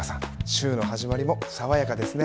週の始まりも爽やかですね。